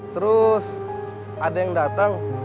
terus ada yang datang